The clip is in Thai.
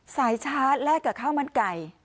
ชาร์จแลกกับข้าวมันไก่